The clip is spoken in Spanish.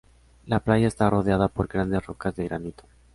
La playa está rodeada por grandes rocas de granito.